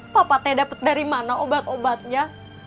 papa teh dapat dari mana obat obatnya